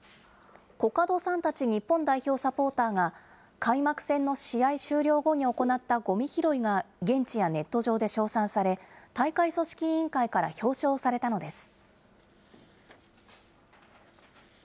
古角さんたち日本代表サポーターが、開幕戦の試合終了後に行ったごみ拾いが現地やネット上で称賛され、大会組織委員会から表彰されたのです。